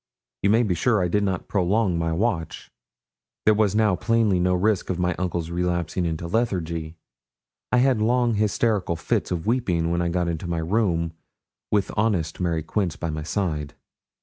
You may be sure I did not prolong my watch. There was now plainly no risk of my uncle's relapsing into lethargy. I had a long hysterical fit of weeping when I got into my room, with honest Mary Quince by my side.